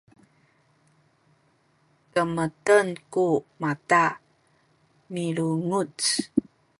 kemeten ku mata milunguc